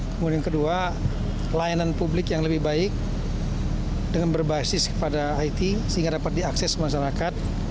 kemudian kedua layanan publik yang lebih baik dengan berbasis kepada it sehingga dapat diakses masyarakat